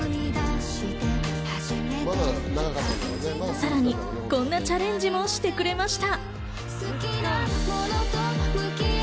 さらにこんなチャレンジもしてくれました。